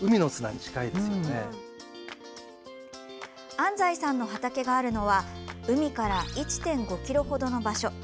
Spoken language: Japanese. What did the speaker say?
安西さんの畑があるのは海から１．５ｋｍ程の場所。